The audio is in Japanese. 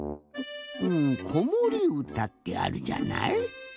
うん「こもりうた」ってあるじゃない？